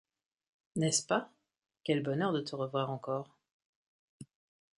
N’est-ce pas ?— Quel bonheur de te revoir encore !